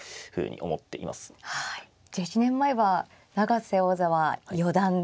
はい１１年前は永瀬王座は四段で。